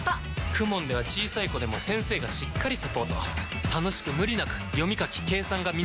ＫＵＭＯＮ では小さい子でも先生がしっかりサポート楽しく無理なく読み書き計算が身につきます！